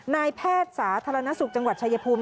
นายแพทย์สาธารณสุขจังหวัดชายภูมิ